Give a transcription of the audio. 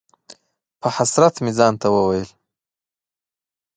په حسرت مې ځان ته وویل: